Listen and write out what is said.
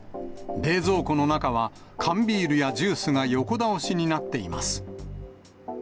冷蔵庫の中は、缶ビールやジュースなどが横倒しになっています。